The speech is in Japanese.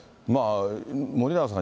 森永さん、